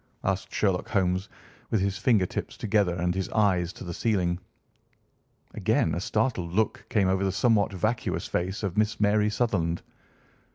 asked Sherlock Holmes, with his finger tips together and his eyes to the ceiling. Again a startled look came over the somewhat vacuous face of Miss Mary Sutherland.